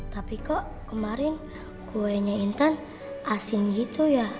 tapi kok kemarin kuenya intan asin gitu ya